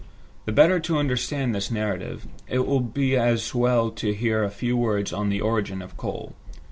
The better to understand this narrative, it will be as well to hear a few words on the origin of coal.